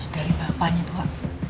dari bapaknya tua